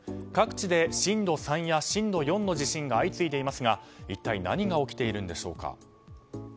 各地で震度３や震度４の地震が相次いでいますが一体何が起きているのでしょうか。